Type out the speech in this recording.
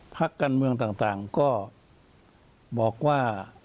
พักการเมืองต่างก็บอกว่า